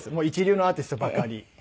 一流のアーティストばかり。